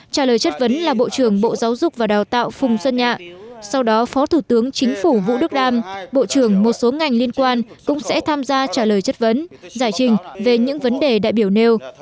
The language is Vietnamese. trả lời chất vấn là bộ trưởng bộ giáo dục và đào tạo phùng xuân nhạ sau đó phó thủ tướng chính phủ vũ đức đam bộ trưởng một số ngành liên quan cũng sẽ tham gia trả lời chất vấn giải trình về những vấn đề đại biểu nêu